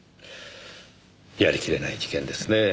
やりきれない事件ですねぇ。